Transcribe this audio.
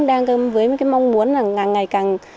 đang với mong muốn là ngày càng